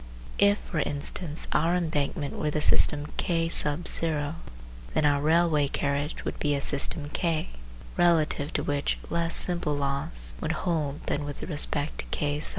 If, for instance, our embankment were the system K then our railway carriage would be a system K, relative to which less simple laws would hold than with respect to K.